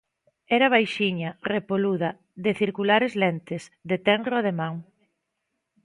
Era baixiña, repoluda, de circulares lentes, de tenro ademán.